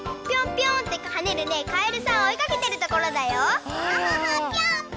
ぴょんぴょんってはねるねかえるさんをおいかけてるところだよ。